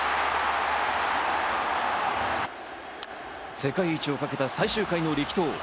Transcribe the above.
世界一をかけた最終回の力投。